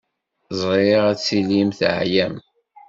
Ẓriɣ ad tilim teɛyam.